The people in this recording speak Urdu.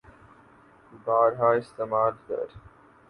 بارہا استعمال کر